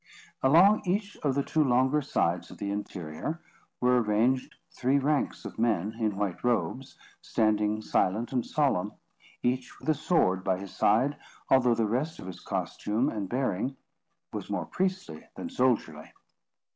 Along each of the two longer sides of the interior, were ranged three ranks of men, in white robes, standing silent and solemn, each with a sword by his side, although the rest of his costume and bearing was more priestly than soldierly.